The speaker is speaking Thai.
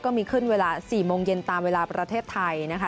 ก็มีขึ้นเวลา๔โมงเย็นตามเวลาประเทศไทยนะคะ